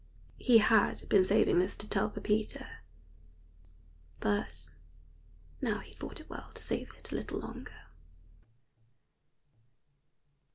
He had been saving this to tell Pepita, but now he thought it well to save it a little longer.